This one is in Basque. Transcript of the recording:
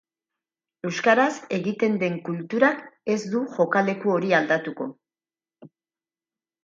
Euskaraz egiten den kulturak ez du jokaleku hori aldatuko.